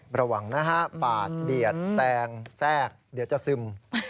ระวังนะฮะปาดเบียดแซงแทรกเดี๋ยวจะซึม